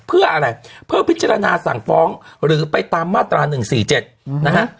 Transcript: เพื่ออะไรเพื่อพิจารณาสั่งฟ้องหรือไปตามมาตรา๑๔๗นะฮะ